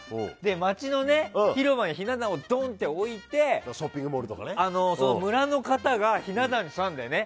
町の広場にひな壇をドンって置いて村の方がひな壇に座るんだよね。